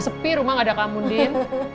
sepi rumah gak ada kamu din